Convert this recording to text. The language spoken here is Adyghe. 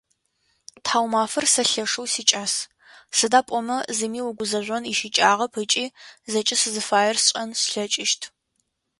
Тхьаумафэр сэ лъэшэу сикӏас, сыда пӏомэ зыми угузэжъон ищыкӏагъэп ыкӏи зэкӏэ сызыфаер сшӏэн слъэкӏыщт.